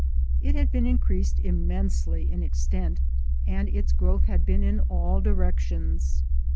It had increased immensely in extent, and its growth had been in all directions.